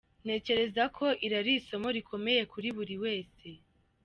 Ntekereza ko iri ari isomo rikomeye kuri buri wese.